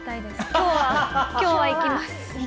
今日は行きます。